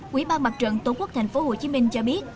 quỹ ban mặt trận tổ quốc tp hcm cho biết